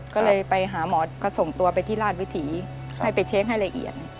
ก็เลยไปหาหมอก็ส่งตัวไปที่ราชวิถีให้ไปเช็คให้ละเอียด